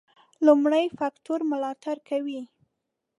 لومړي فکټور ملاتړ کوي.